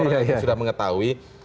orang yang sudah mengetahui